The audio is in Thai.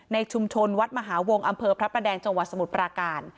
ในชุมชนวัดมหาวงศ์อำเภอพระประแดงจังหวัดสมุทรปราการ